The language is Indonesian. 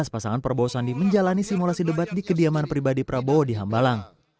pasangan prabowo sandi menjalani simulasi debat di kediaman pribadi prabowo di hambalang